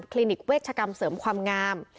ลินิกเวชกรรมเสริมความงาม